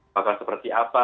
bahkan seperti apa